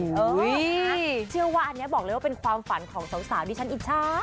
เชื่อว่าอันนี้บอกเลยว่าเป็นความฝันของสาวดิฉันอิจฉา